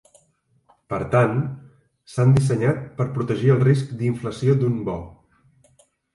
Per tant, s"han dissenyat per protegir el risc d"inflació d"un bo.